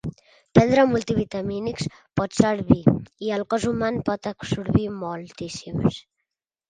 Prendre multivitamínics pot servir, i el cos humà en pot absorbir moltíssims.